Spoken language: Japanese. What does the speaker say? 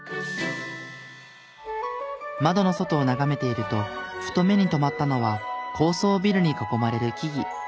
窓の外を眺めているとふと目に留まったのは高層ビルに囲まれる木々。